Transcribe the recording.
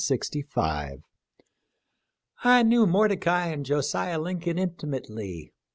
t " I knew Mordecai and Josiah Lincoln intimately.